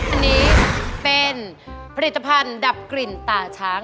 อันนี้เป็นผลิตภัณฑ์ดับกลิ่นตาช้าง